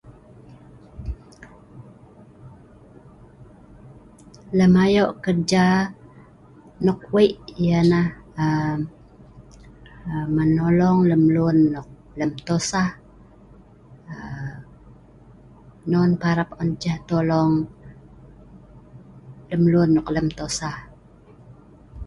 Lem ayoq kerja nok wei yah nah aa…aa.. menolong lem luen nok lem tosah aa…non parap an ceh tolong, lem luen nok lem tosah